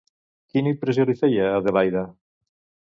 Quina impressió li feia Adelaida?